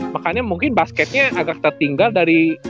makanya mungkin basketnya agak tertinggal dari